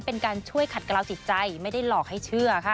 เป็นการช่วยขัดกล่าวจิตใจไม่ได้หลอกให้เชื่อค่ะ